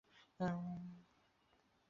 বাবা সকাল বিকেল দুই বেলায় চা পান করি।